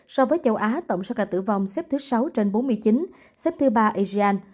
so với châu á tổng số ca tử vong xếp thứ sáu trên bốn mươi chín xếp thứ ba asean